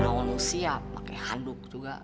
nah orang siap pakai handuk juga